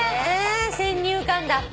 先入観だ。